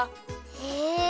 へえ。